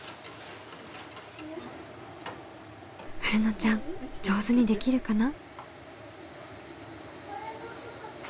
はるのちゃん上手にできるかな？